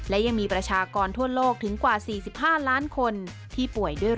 และยังมีประชากรทั่วโลกถึงกว่า๔๕ล้านคนที่ป่วยด้วย